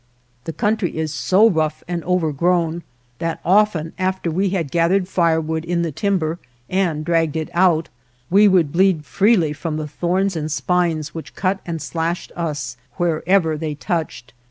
The country is so rough and overgrown that often after we had gathered firewood in the timber and dragged it out, we would bleed freely from the thorns and spines which cut and slashed us wherever they touched.